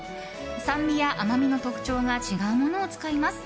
酸味や甘みの特徴が違うものを使います。